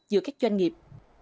giữa các doanh nghiệp